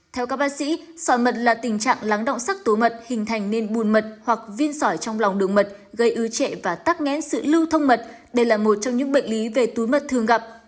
theo các bác sĩ sỏi mật là tình trạng lắng động sắc tố mật hình thành nên bùn mật hoặc viên sỏi trong lòng đường mật gây ư trệ và tắc nghẽn sự lưu thông mật đây là một trong những bệnh lý về túi mật thường gặp